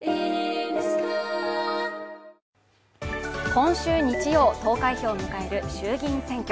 今週日曜、投開票を迎える衆議院選挙。